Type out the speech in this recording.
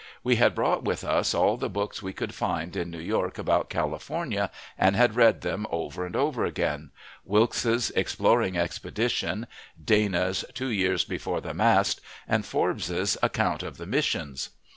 We had brought with us all the books we could find in New York about California, and had read them over and over again: Wilkes's "Exploring Expedition;" Dana's "Two Years before the Mast;" and Forbes's "Account of the Missions."